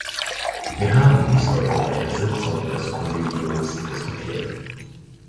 Wir haben dies heute bei der Sitzung des Kollegiums diskutiert.